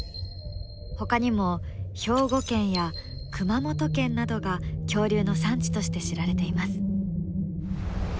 ほかにも兵庫県や熊本県などが恐竜の産地として知られています。